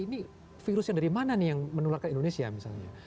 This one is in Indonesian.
ini virus yang dari mana nih yang menularkan indonesia misalnya